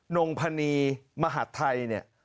นงพนีมหาดไทยเนี่ย